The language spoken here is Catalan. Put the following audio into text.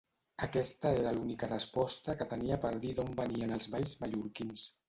Aquesta era l'única resposta que tenia per dir d'on venien els balls mallorquins.